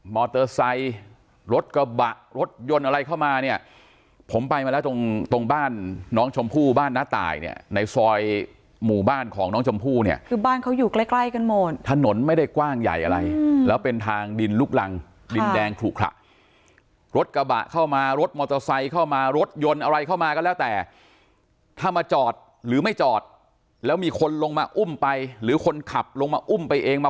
รถกระบะรถยนต์อะไรเข้ามาเนี่ยผมไปมาแล้วตรงตรงบ้านน้องชมพู่บ้านน้าตายเนี่ยในซอยหมู่บ้านของน้องชมพู่เนี่ยคือบ้านเขาอยู่ใกล้ใกล้กันหมดถนนไม่ได้กว้างใหญ่อะไรแล้วเป็นทางดินลุกรังดินแดงขลุขระรถกระบะเข้ามารถมอเตอร์ไซค์เข้ามารถยนต์อะไรเข้ามาก็แล้วแต่ถ้ามาจอดหรือไม่จอดแล้วมีคนลงมาอุ้มไปหรือคนขับลงมาอุ้มไปเองมา